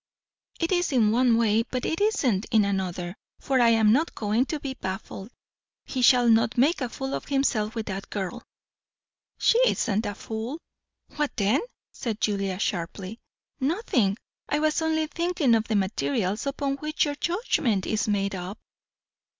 "It is in one way, but it isn't in another, for I am not going to be baffled. He shall not make a fool of himself with that girl." "She isn't a fool." "What then?" said Julia sharply. "Nothing. I was only thinking of the materials upon which your judgment is made up."